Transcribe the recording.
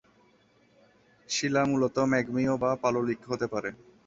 শিলা মূলত ম্যাগমীয় বা পাললিক হতে পারে।